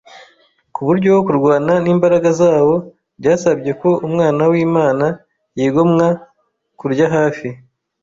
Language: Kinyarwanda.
ku buryo kurwana n’imbaraga zawo byasabye ko Umwana w’Imana yigomwa kurya hafi